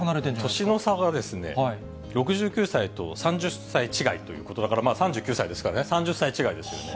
年の差が、６９歳と３０歳違いということだから、３９歳ですからね、３０歳違いですよね。